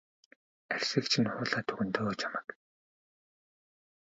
Арьсыг чинь хуулаад өгнө дөө чамайг.